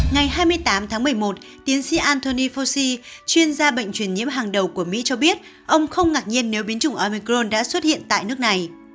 ngày hai mươi tám tháng một mươi một tiến sĩ anthony foshi chuyên gia bệnh truyền nhiễm hàng đầu của mỹ cho biết ông không ngạc nhiên nếu biến chủng omicron đã xuất hiện tại nước này